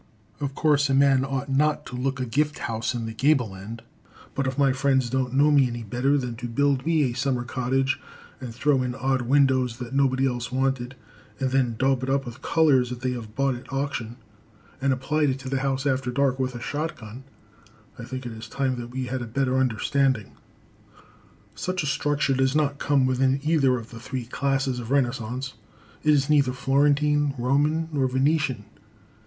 Of course, a man ought not to look a gift house in the gable end, but if my friends don't know me any better than to build me a summer cottage and throw in odd windows that nobody else wanted, and then daub it up with colors they have bought at auction and applied to the house after dark with a shotgun, I think it is time that we had a better understanding. [Illustration: THE ARCHITECT.] Such a structure does not come within either of the three classes of renaissance. It is neither Florentine, Roman, or Venetian.